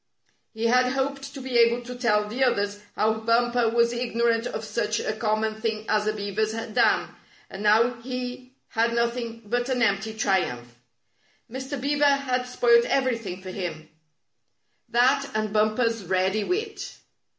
He had hoped to be able to tell the others how Bumper was ignorant of such a com mon thing as a beaver's dam, and now he had nothing but an empty triumph. Mr. Beaver had spoilt everything for him — that and Bumper's ready wit.